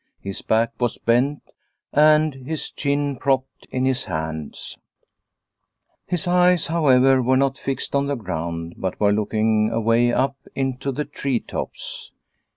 His back was bent and IMS chin propped in his hands ; his eyes, however, were not fixed on the ground, but were looking away up into the tree tops.